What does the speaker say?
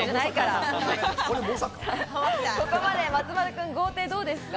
ここまで松丸君、豪邸どうですか？